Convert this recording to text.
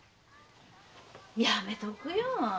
やめとくよ。